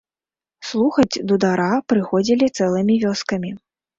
Слухаць дудара прыходзілі цэлымі вёскамі.